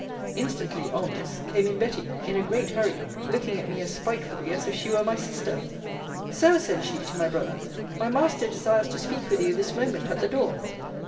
Instantly almost came in Betty, in a great hurry, looking at me as spitefully as if she were my sister: Sir, said she to my brother, my master desires to speak with you this moment at the door.